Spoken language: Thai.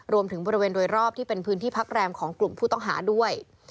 บริเวณโดยรอบที่เป็นพื้นที่พักแรมของกลุ่มผู้ต้องหาด้วย